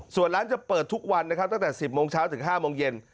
ส่วนร้านจะเปิดทุกวันนะครับตั้งแต่๑๐โมงเช้าถึง๕โมงเย็น